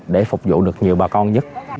để phục vụ được nhiều bà con nhất